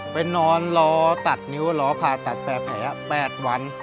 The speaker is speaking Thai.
ไปนอนรอตัดนิ้วรอผ่าตัดแปรแผล๘วัน